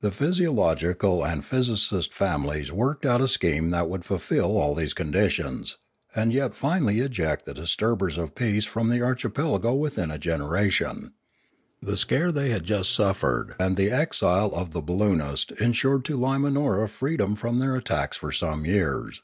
The physiological and physicist families worked out a scheme that would fulfil all these conditions, and yet finally eject the disturbers of peace from the archipelago within a generation. The scare they had just suffered and the exile of the balloonist ensured to Limanora freedom from their attacks for some years.